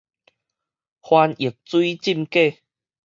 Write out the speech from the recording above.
翻譯水浸粿